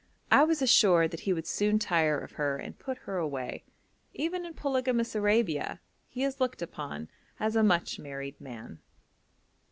I was assured that he would soon tire of her and put her away. Even in polygamous Arabia he is looked upon as a much married man.